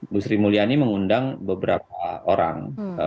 gusri mulyani mengundang beberapa orang